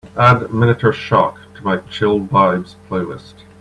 add Minotaur Shock to my Chill Vibes playlist